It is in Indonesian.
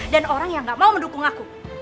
dan orang yang gak mau mendukung aku